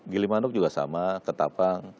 gilimanuk juga sama ketapang